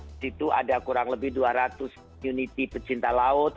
di situ ada kurang lebih dua ratus unity pecinta laut